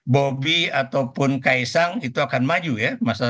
bobby ataupun kaysang itu akan maju ya